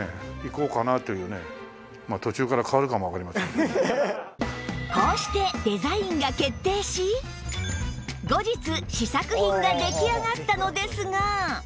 一応ねこうしてデザインが決定し後日試作品が出来上がったのですが